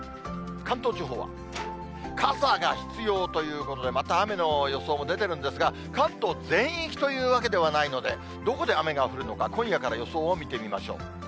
関東地方は、傘が必要ということで、また雨の予想も出てるんですが、関東全域というわけではないので、どこで雨が降るのか、今夜から予想を見てみましょう。